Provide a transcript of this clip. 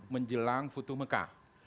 menjelang futuh mekah